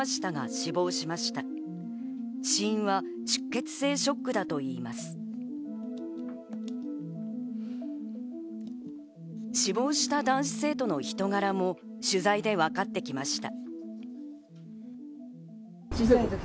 死亡した男子生徒の人柄も取材で分かってきました。